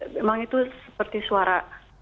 memang itu seperti suara